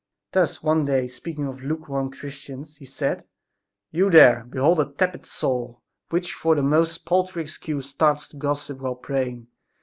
Thus, one day, speaking of lukewarm Christians, he said: "You there behold a tepid soul, which for the most paltry excuse starts to gossip while praying.